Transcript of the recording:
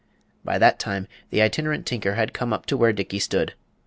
By that time the Itinerant Tinker had come up to where Dickey stood.